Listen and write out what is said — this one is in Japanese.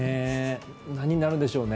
何になるでしょうね。